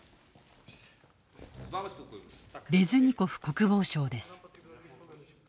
レズニコフ国防相です。